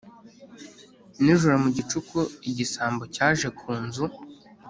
nijoro mu gicuku, igisambo cyaje ku nzu